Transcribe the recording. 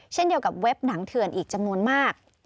เช่นเดียวกับเว็บหนังเถื่อนอีกจำนวนมาก